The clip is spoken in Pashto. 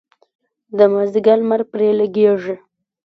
د مازدیګر لمر پرې لګیږي.